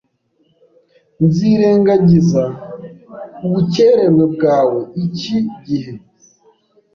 Nzirengagiza ubukererwe bwawe iki gihe.